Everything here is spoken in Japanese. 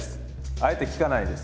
あえて聞かないです。